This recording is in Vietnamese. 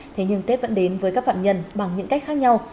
thế nhưng tết vẫn đến với các phạm nhân bằng những cách khác nhau